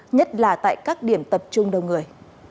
nhất là tại các điểm tập trung đông người